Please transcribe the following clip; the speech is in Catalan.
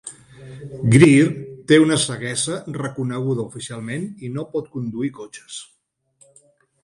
Greer té una ceguesa reconeguda oficialment i no pot conduir cotxes.